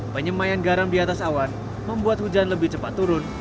penyemayan garam di atas awan membuat hujan lebih cepat turun